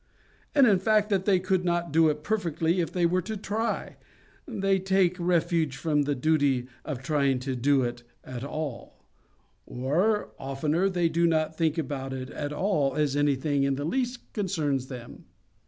And in the fact that they could not do it perfectly if they were to try, they take refuge from the duty of trying to do it at all; or, oftener, they do not think about it at all as anything that in the least concerns them.